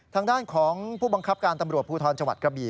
ทางด้านของผู้บังคับการตำรวจภูทรจังหวัดกระบี่